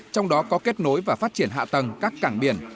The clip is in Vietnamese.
trong đó có kết nối và phát triển hạ tầng các cảng biển